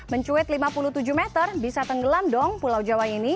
mencuit lima puluh tujuh meter bisa tenggelam dong pulau jawa ini